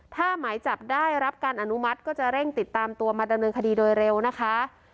ถ้าหมายจับได้รับการอนุมัติก็จะเร่งติดตามตัวมาดำเนินคดีโดยเร็วนะคะ